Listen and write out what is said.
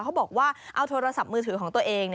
เขาบอกว่าเอาโทรศัพท์มือถือของตัวเอง